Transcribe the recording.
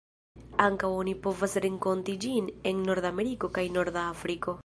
Ankaŭ oni povas renkonti ĝin en Nordameriko kaj norda Afriko.